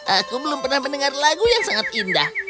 aku belum pernah mendengar lagu yang sangat indah